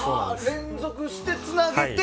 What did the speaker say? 連続してつなげて。